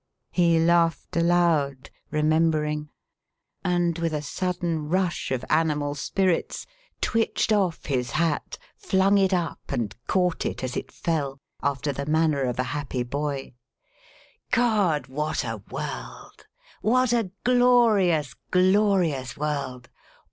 He laughed aloud, remembering, and with a sudden rush of animal spirits twitched off his hat, flung it up and caught it as it fell, after the manner of a happy boy. God, what a world what a glorious, glorious world!